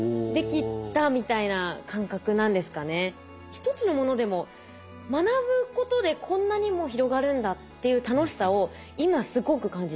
一つのものでも学ぶことでこんなにも広がるんだっていう楽しさを今すごく感じてます。